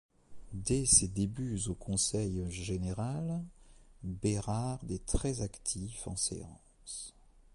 Dès ses débuts au Conseil général, Bérard est très actif en séance.